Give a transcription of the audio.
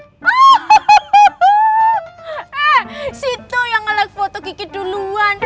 eh si itu yang nge like foto gigi duluan